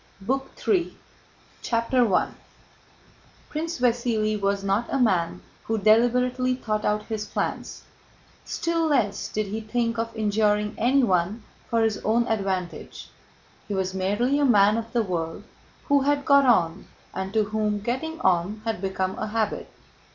BOOK THREE: 1805 CHAPTER I Prince Vasíli was not a man who deliberately thought out his plans. Still less did he think of injuring anyone for his own advantage. He was merely a man of the world who had got on and to whom getting on had become a habit.